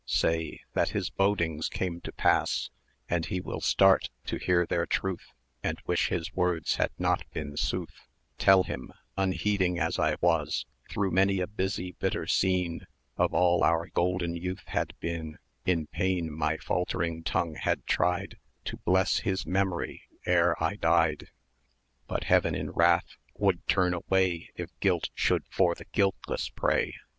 Say that his bodings came to pass, And he will start to hear their truth, And wish his words had not been sooth: Tell him unheeding as I was, Through many a busy bitter scene Of all our golden youth had been, In pain, my faltering tongue had tried 1240 To bless his memory ere I died; But Heaven in wrath would turn away, If Guilt should for the guiltless pray.